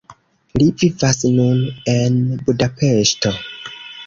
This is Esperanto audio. Li vivas nun en Budapeŝto.